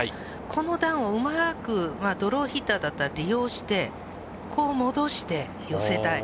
この段をうまくドローヒッターだったら、利用して、こう戻って寄せたい。